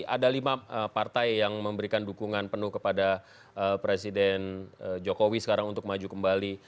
ada lima partai yang memberikan dukungan penuh kepada presiden jokowi sekarang untuk maju kembali